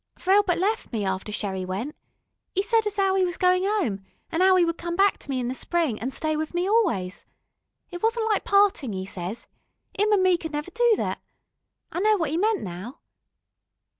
For Elbert left me after Sherrie went. 'E said as 'ow 'e was going 'ome, an' as 'ow 'e would come back to me in the Spring, an' stay with me always. It wasn't like partin', e' ses, 'im an' me could never do thet. I know what 'e meant, now...."